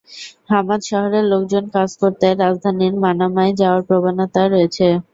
Hamad শহরের লোকজন কাজ করতে রাজধানী মানামায় যাওয়ার প্রবণতা রয়েছে।